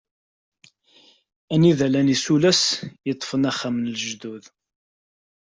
Anida i llan yisulas i yeṭfen axxam n lejdud.